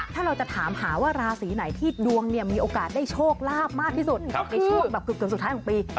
ถ้าเราจะถามหาว่าราศีไหนที่ดวงมีโอกาสได้โชคลาภมากที่สุดในช่วงแบบเกือบสุดท้ายของปี